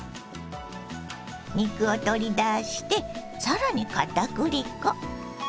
肉を取り出して更にかたくり粉。